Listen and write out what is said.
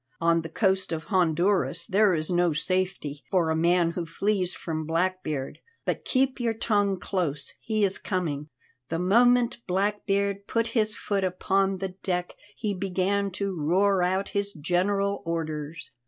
"On the coast of Honduras there is no safety for a man who flees from Blackbeard. But keep your tongue close; he is coming." The moment Blackbeard put his foot upon the deck he began to roar out his general orders.